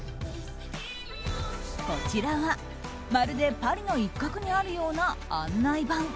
こちらは、まるでパリの一角にあるような案内板。